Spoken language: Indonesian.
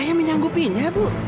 saya menyanggupinya bu